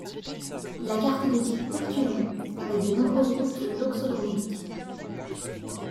La carte est de type portulan, avec de nombreuses routes loxodromiques.